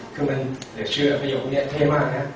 คือเหลือเชื่อภาโยคนี้เท่มากนะ